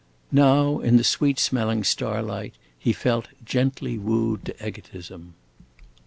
Now, in the sweet smelling starlight, he felt gently wooed to egotism.